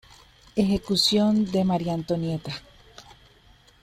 Ejecución de María Antonieta